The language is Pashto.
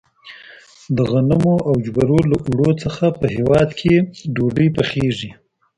د غنمو او جوارو له اوړو څخه په هیواد کې ډوډۍ پخیږي.